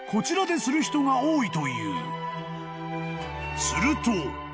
［すると］